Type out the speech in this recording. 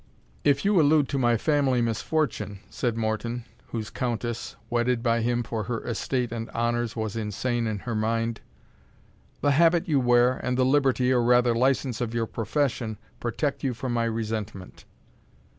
"If you allude to my family misfortune," said Morton, whose Countess, wedded by him for her estate and honours, was insane in her mind, "the habit you wear, and the liberty, or rather license, of your profession, protect you from my resentment."